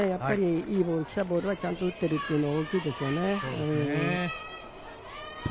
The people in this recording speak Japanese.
いいところに来たボールはちゃんと打っているっていうのが大きいですね。